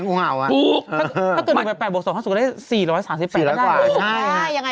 งูเห่ามันมีจริง